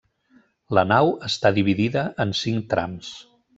La nau està dividida en cinc trams.